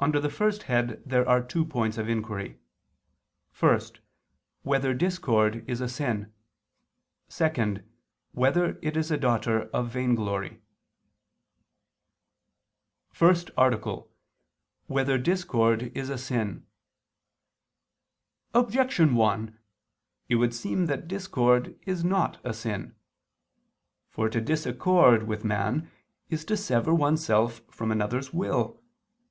Under the first head there are two points of inquiry: (1) Whether discord is a sin? (2) Whether it is a daughter of vainglory? _______________________ FIRST ARTICLE [II II, Q. 37, Art. 1] Whether Discord Is a Sin? Objection 1: It would seem that discord is not a sin. For to disaccord with man is to sever oneself from another's will.